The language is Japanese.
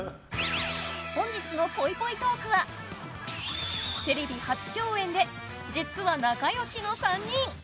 本日のぽいぽいトークはテレビ初共演で実は仲良しの３人。